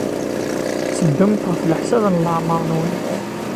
Tteddumt ɣef leḥsab n leɛmeṛ-nwent.